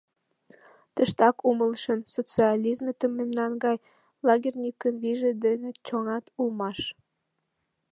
Тыштак умылышым: социализметым мемнан гай лагерникын вийже дене чоҥат улмаш.